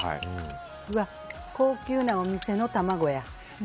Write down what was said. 高級なお店の卵や。